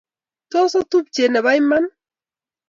Tos otupche nebo iman